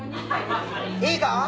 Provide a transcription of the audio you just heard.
いいか？